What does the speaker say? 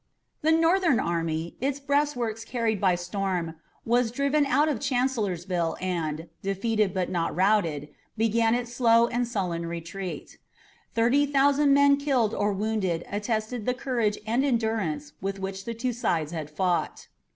The Northern army, its breastworks carried by storm, was driven out of Chancellorsville and, defeated but not routed, began its slow and sullen retreat. Thirty thousand men killed or wounded attested the courage and endurance with which the two sides had fought.